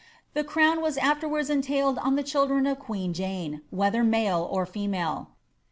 The crown was afterwards entailed on the children of queen Jane, whether male or female.